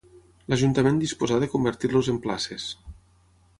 L'Ajuntament disposà de convertir-los en places.